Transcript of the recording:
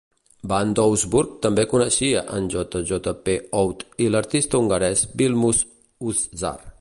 Van Doesburg també coneixia en J. J. P. Oud i l"artista hongarès Vilmos Huszár.